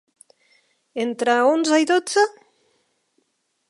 Entre onze i dotze?